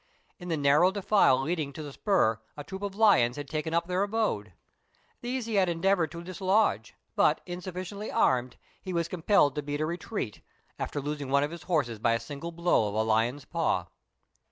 In the narrow defile leading to the spur a troop of lions had taken up their abode. These he had endeavoured to dislodge, but, insufficiently armed, he was compelled to beat a retreat, after losing one of his horses by a single blow of a lion's paw.